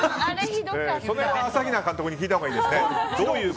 それは朝比奈監督に聞いたほうがいいですね。